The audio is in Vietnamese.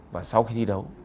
và sau khi thi đấu